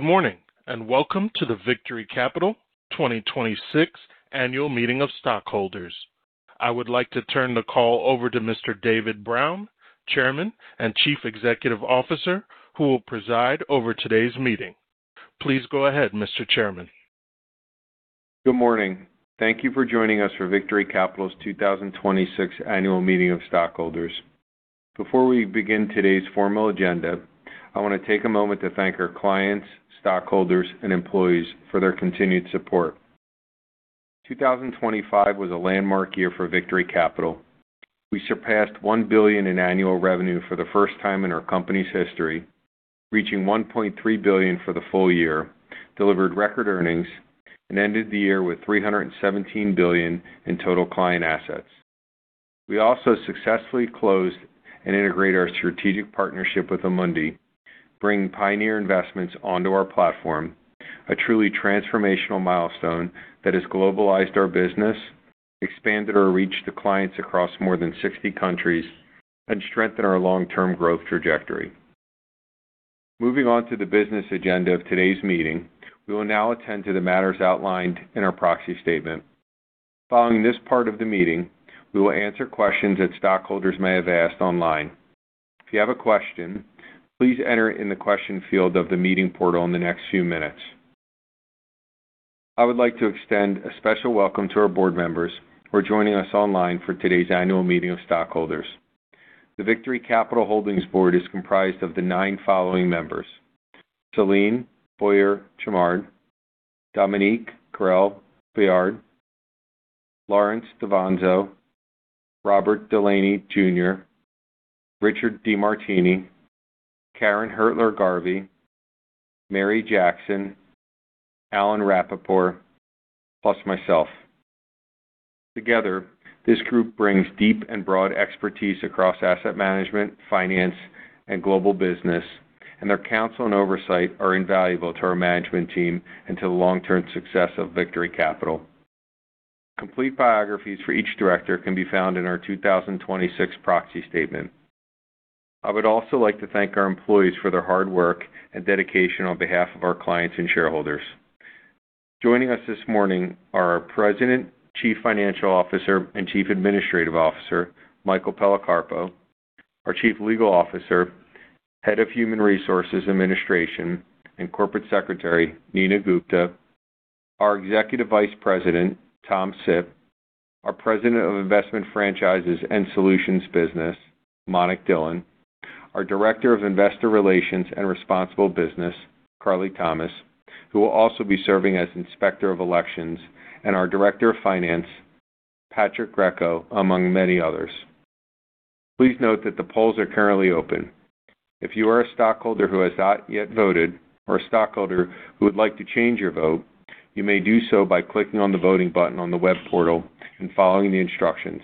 Good morning, welcome to the Victory Capital 2026 annual meeting of stockholders. I would like to turn the call over to Mr. David Brown, Chairman and Chief Executive Officer, who will preside over today's meeting. Please go ahead, Mr. Chairman. Good morning. Thank you for joining us for Victory Capital's 2026 Annual Meeting of Stockholders. Before we begin today's formal agenda, I want to take a moment to thank our clients, stockholders, and employees for their continued support. 2025 was a landmark year for Victory Capital. We surpassed $1 billion in annual revenue for the first time in our company's history, reaching $1.3 billion for the full year, delivered record earnings, and ended the year with $317 billion in total client assets. We also successfully closed and integrated our strategic partnership with Amundi, bringing Pioneer Investments onto our platform, a truly transformational milestone that has globalized our business, expanded our reach to clients across more than 60 countries, and strengthened our long-term growth trajectory. Moving on to the business agenda of today's meeting, we will now attend to the matters outlined in our proxy statement. Following this part of the meeting, we will answer questions that stockholders may have asked online. If you have a question, please enter it in the question field of the meeting portal in the next few minutes. I would like to extend a special welcome to our board members who are joining us online for today's Annual Meeting of Stockholders. The Victory Capital Holdings board is comprised of the nine following members: Céline Boyer-Chammard, Dominique Carrel-Billiard, Lawrence Davanzo, Robert Delaney Jr., Richard DeMartini, Karin Hirtler-Garvey, Mary Jackson, Alan Rappaport, plus myself. Together, this group brings deep and broad expertise across asset management, finance, and global business, and their counsel and oversight are invaluable to our management team and to the long-term success of Victory Capital. Complete biographies for each director can be found in our 2026 proxy statement. I would also like to thank our employees for their hard work and dedication on behalf of our clients and shareholders. Joining us this morning are our President, Chief Financial Officer, and Chief Administrative Officer, Michael Policarpo, our Chief Legal Officer, Head of Human Resources Administration, and Corporate Secretary, Nina Gupta, our Executive Vice President, Tom Sipp, our President of Investment Franchises and Solutions Business, Mannik Dhillon, our Director of Investor Relations and Responsible Business, Carly Thomas, who will also be serving as Inspector of Elections, and our Director of Finance, Patrick Grecco, among many others. Please note that the polls are currently open. If you are a stockholder who has not yet voted or a stockholder who would like to change your vote, you may do so by clicking on the voting button on the web portal and following the instructions.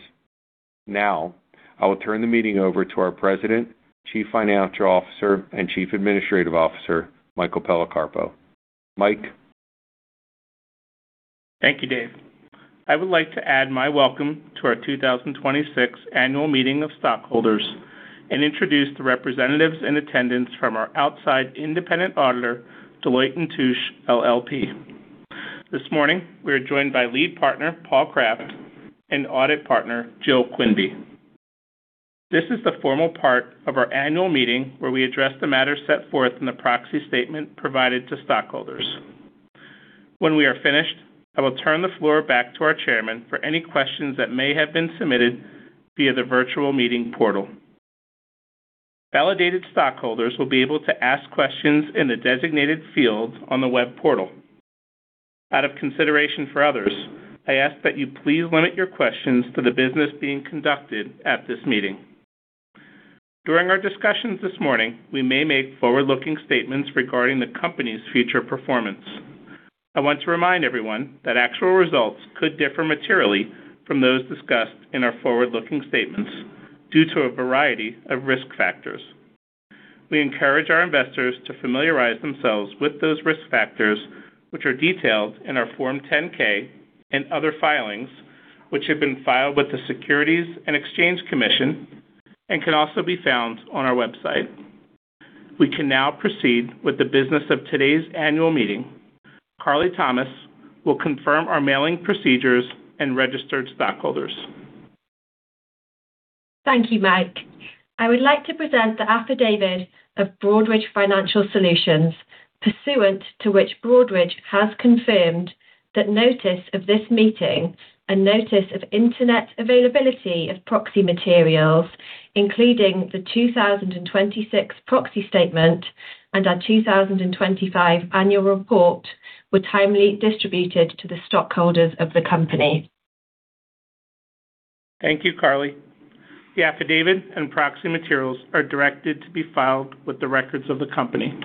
I will turn the meeting over to our President, Chief Financial Officer, and Chief Administrative Officer, Michael Policarpo. Mike? Thank you, Dave. I would like to add my welcome to our 2026 Annual Meeting of Stockholders and introduce the representatives in attendance from our outside independent auditor, Deloitte & Touche LLP. This morning, we are joined by Lead Partner, Paul Kraft, and Audit Partner, Jill Quinby. This is the formal part of our annual meeting where we address the matter set forth in the proxy statement provided to stockholders. When we are finished, I will turn the floor back to our Chairman for any questions that may have been submitted via the virtual meeting portal. Validated stockholders will be able to ask questions in the designated field on the web portal. Out of consideration for others, I ask that you please limit your questions to the business being conducted at this meeting. During our discussions this morning, we may make forward-looking statements regarding the company's future performance. I want to remind everyone that actual results could differ materially from those discussed in our forward-looking statements due to a variety of risk factors. We encourage our investors to familiarize themselves with those risk factors, which are detailed in our Form 10-K and other filings which have been filed with the Securities and Exchange Commission and can also be found on our website. We can now proceed with the business of today's annual meeting. Carly Thomas will confirm our mailing procedures and registered stockholders. Thank you, Mike. I would like to present the affidavit of Broadridge Financial Solutions, pursuant to which Broadridge has confirmed that notice of this meeting and notice of internet availability of proxy materials, including the 2026 proxy statement and our 2025 annual report, were timely distributed to the stockholders of the company. Thank you, Carly. The affidavit and proxy materials are directed to be filed with the records of the company.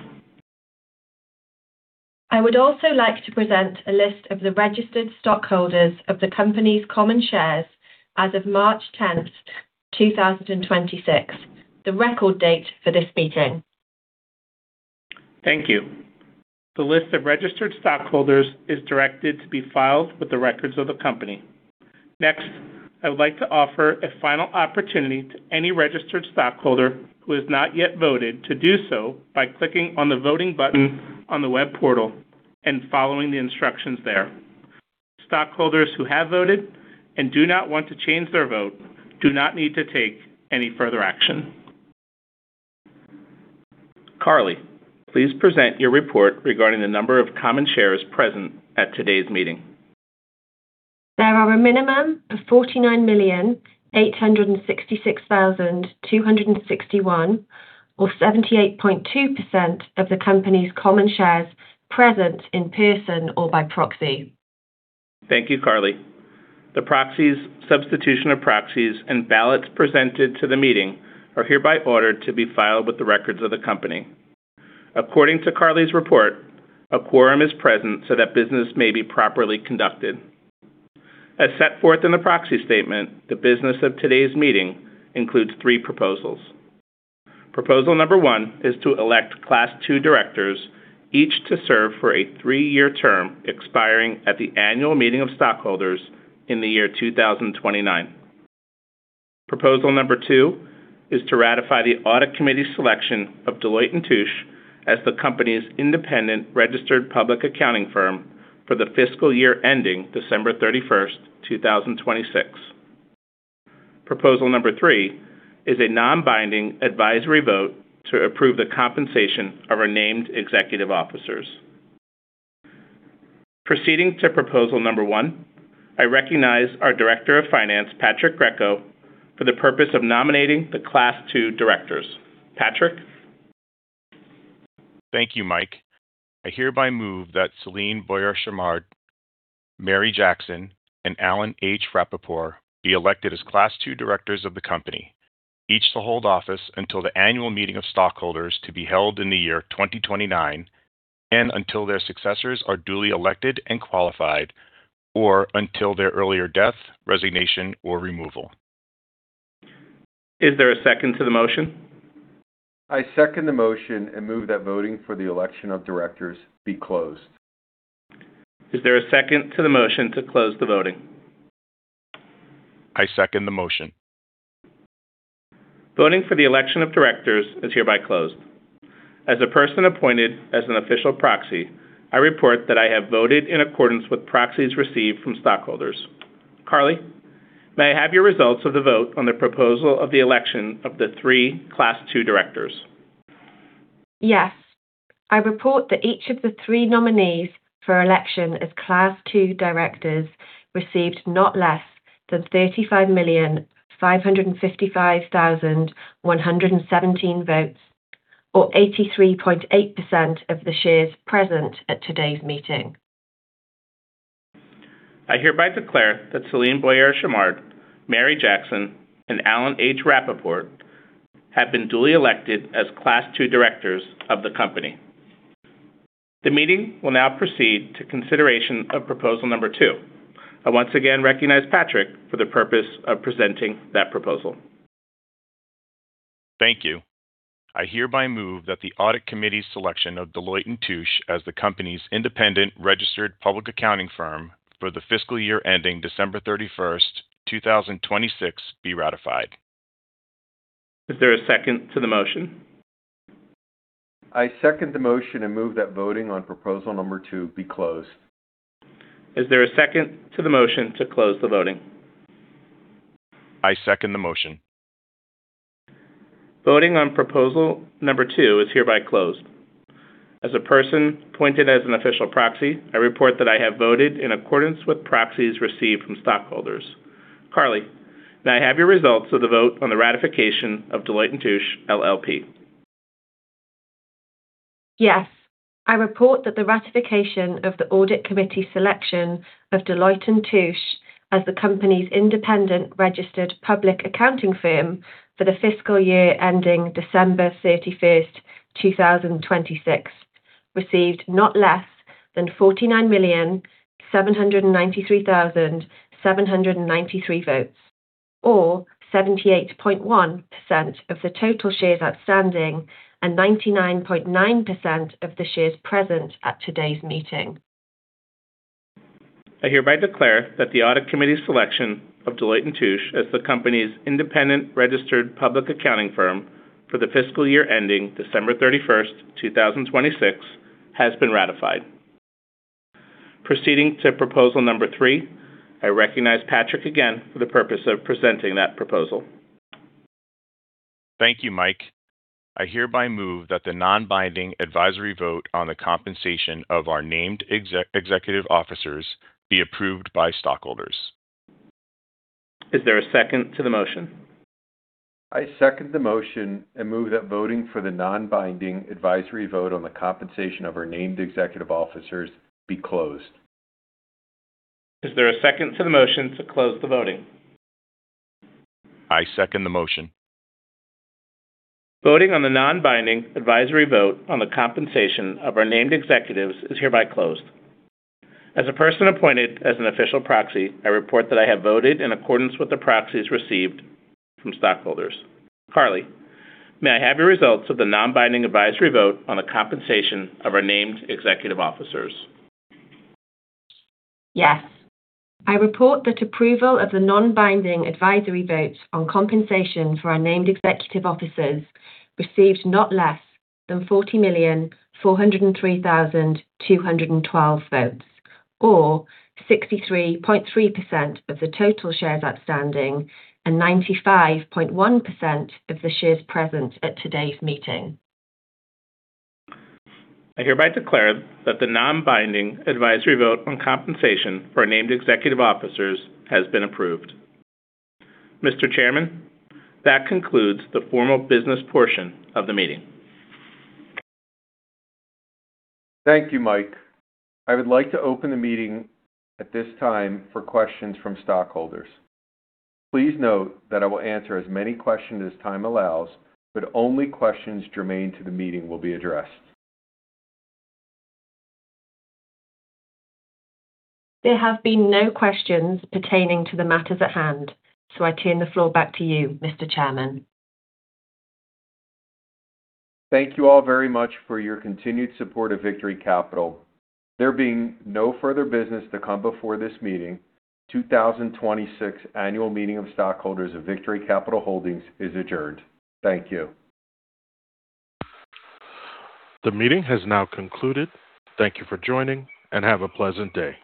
I would also like to present a list of the registered stockholders of the company's common shares as of March 10th, 2026, the record date for this meeting. Thank you. The list of registered stockholders is directed to be filed with the records of the company. I would like to offer a final opportunity to any registered stockholder who has not yet voted to do so by clicking on the voting button on the web portal and following the instructions there. Stockholders who have voted and do not want to change their vote do not need to take any further action. Carly, please present your report regarding the number of common shares present at today's meeting. There are a minimum of 49,866,261, or 78.2% of the company's common shares present in person or by proxy. Thank you, Carly. The proxies, substitution of proxies, and ballots presented to the meeting are hereby ordered to be filed with the records of the company. According to Carly's report, a quorum is present so that business may be properly conducted. As set forth in the proxy statement, the business of today's meeting includes three proposals. Proposal number one is to elect Class 2 directors, each to serve for a three-year term expiring at the annual meeting of stockholders in the year 2029. Proposal number two is to ratify the Audit Committee selection of Deloitte & Touche as the company's independent registered public accounting firm for the fiscal year ending December 31st, 2026. Proposal number three is a non-binding advisory vote to approve the compensation of our named executive officers. Proceeding to proposal number one, I recognize our Director of Finance, Patrick Grecco, for the purpose of nominating the Class 2 directors. Patrick? Thank you, Mike. I hereby move that Céline Boyer-Chammard, Mary Jackson, and Alan H. Rappaport be elected as Class 2 directors of the company, each to hold office until the annual meeting of stockholders to be held in the year 2029 and until their successors are duly elected and qualified, or until their earlier death, resignation, or removal. Is there a second to the motion? I second the motion and move that voting for the election of directors be closed. Is there a second to the motion to close the voting? I second the motion. Voting for the election of directors is hereby closed. As a person appointed as an official proxy, I report that I have voted in accordance with proxies received from stockholders. Carly, may I have your results of the vote on the proposal of the election of the three Class 2 directors? Yes. I report that each of the three nominees for election as Class 2 directors received not less than 35,555,117 votes or 83.8% of the shares present at today's meeting. I hereby declare that Céline Boyer-Chammard, Mary Jackson, and Alan H. Rappaport have been duly elected as Class 2 directors of the company. The meeting will now proceed to consideration of proposal number two. I once again recognize Patrick for the purpose of presenting that proposal. Thank you. I hereby move that the Audit Committee's selection of Deloitte & Touche as the company's independent registered public accounting firm for the fiscal year ending December 31st, 2026, be ratified. Is there a second to the motion? I second the motion and move that voting on proposal number two be closed. Is there a second to the motion to close the voting? I second the motion. Voting on proposal number two is hereby closed. As a person appointed as an official proxy, I report that I have voted in accordance with proxies received from stockholders. Carly, may I have your results of the vote on the ratification of Deloitte & Touche LLP? Yes. I report that the ratification of the Audit Committee's selection of Deloitte & Touche as the company's independent registered public accounting firm for the fiscal year ending December 31st, 2026, received not less than 49,793,793 votes, or 78.1% of the total shares outstanding and 99.9% of the shares present at today's meeting. I hereby declare that the Audit Committee's selection of Deloitte & Touche as the company's independent registered public accounting firm for the fiscal year ending December 31st, 2026, has been ratified. Proceeding to proposal number three, I recognize Patrick again for the purpose of presenting that proposal. Thank you, Mike. I hereby move that the non-binding advisory vote on the compensation of our named executive officers be approved by stockholders. Is there a second to the motion? I second the motion and move that voting for the non-binding advisory vote on the compensation of our named executive officers be closed. Is there a second to the motion to close the voting? I second the motion. Voting on the non-binding advisory vote on the compensation of our named executives is hereby closed. As a person appointed as an official proxy, I report that I have voted in accordance with the proxies received from stockholders. Carly, may I have your results of the non-binding advisory vote on the compensation of our named executive officers? Yes. I report that approval of the non-binding advisory vote on compensation for our named executive officers received not less than 40,403,212 votes, or 63.3% of the total shares outstanding and 95.1% of the shares present at today's meeting. I hereby declare that the non-binding advisory vote on compensation for named executive officers has been approved. Mr. Chairman, that concludes the formal business portion of the meeting. Thank you, Mike. I would like to open the meeting at this time for questions from stockholders. Please note that I will answer as many questions as time allows, but only questions germane to the meeting will be addressed. There have been no questions pertaining to the matters at hand, so I turn the floor back to you, Mr. Chairman. Thank you all very much for your continued support of Victory Capital. There being no further business to come before this meeting, 2026 Annual Meeting of Stockholders of Victory Capital Holdings is adjourned. Thank you. The meeting has now concluded. Thank you for joining, and have a pleasant day.